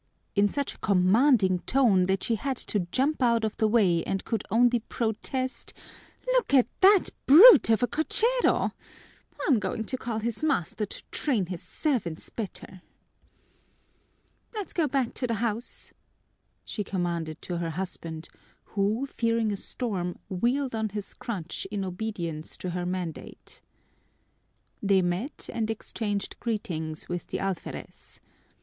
_" in such a commanding tone that she had to jump out of the way, and could only protest: "Look at that brute of a cochero! I'm going to tell his master to train his servants better." "Let's go back to the house," she commanded to her husband, who, fearing a storm, wheeled on his crutch in obedience to her mandate. They met and exchanged greetings with the alferez.